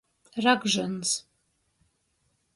Ragžyns.